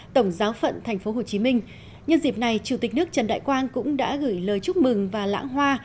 tổng giáo phận tp hcm nhân dịp này chủ tịch nước trần đại quang cũng đã gửi lời chúc mừng và lãng hoa